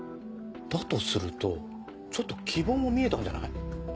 だとするとちょっと希望も見えたんじゃない？